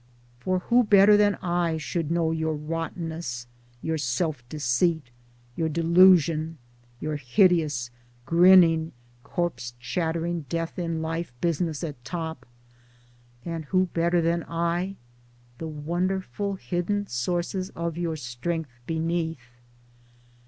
For who better than I should know your rottenness, your self deceit, your delusion, your hideous grinning corpse chattering death in life business at top ? (and who better than I the wonderful hidden sources of your strength beneath?)